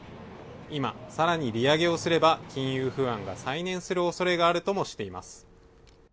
今、さらに利上げをすれば、金融不安が再燃する恐れがあるともしています。